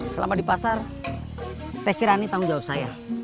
selama di pasar teh kirani tanggung jawab saya